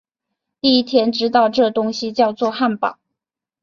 第一天知道这东西叫作汉堡